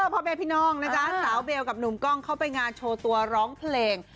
พ่อแม่พี่น้องนะจ๊ะสาวเบลกับหนุ่มกล้องเข้าไปงานโชว์ตัวร้องเพลง